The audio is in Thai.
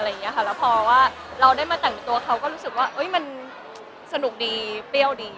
แล้วพอว่าเราได้มาแต่งตัวเขาก็รู้สึกว่ามันสนุกดีเปรี้ยวดี